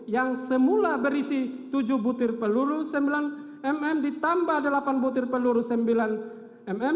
yang semula berisi tujuh butir peluru sembilan mm ditambah delapan butir peluru sembilan mm